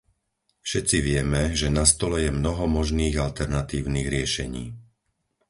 Všetci vieme, že na stole je mnoho možných alternatívnych riešení.